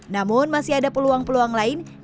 namun masih ada peluang peluang lain yang penting